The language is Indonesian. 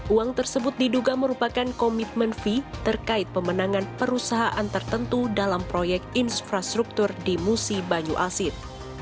uang tersebut diduga merupakan komitmen fee terkait pemenangan perusahaan tertentu dalam proyek infrastruktur di musi banyu asin